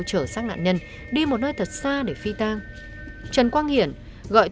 chở sát nạn nhân đi một nơi thật xa để phi tang